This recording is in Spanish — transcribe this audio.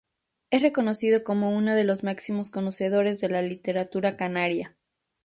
Es reconocido como uno de los máximos conocedores de la literatura canaria.